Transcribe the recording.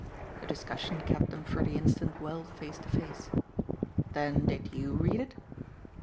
The discussion kept them for the instant well face to face. "Then did YOU read it?"